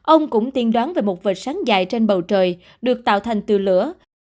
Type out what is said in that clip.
ông cũng tiên đoán về một vệt sáng dài trên bầu trời được tạo thành tựa lửa